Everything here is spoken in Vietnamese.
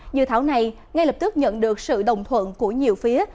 dự thảo này ngay lập tức nhận được sự đồng thuận của nhiều phía